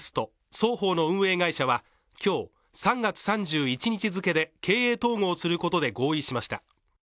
双方の運営会社は３月３１日付で経営統合することで合意しました。